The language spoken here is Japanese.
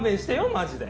マジで。